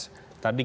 tadi kita lihat